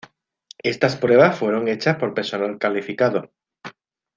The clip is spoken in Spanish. Estas pruebas fueron hechas por personal calificado.